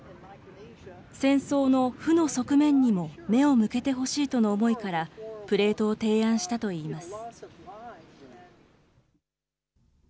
目を向けてほしいとの思いからプレートを提案したといいます。